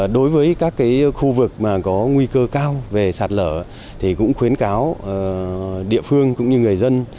đối với các khu vực có nguy cơ cao về sạt lở thì cũng khuyến cáo địa phương cũng như người dân